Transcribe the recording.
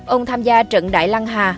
ông tham gia trận đại lăng hà